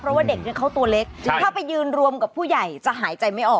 เพราะว่าเด็กเขาตัวเล็กถ้าไปยืนรวมกับผู้ใหญ่จะหายใจไม่ออก